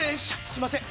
すいません。